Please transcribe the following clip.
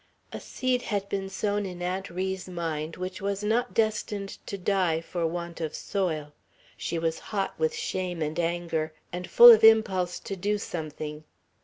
A seed had been sown in Aunt Ri's mind which was not destined to die for want of soil. She was hot with shame and anger, and full of impulse to do something.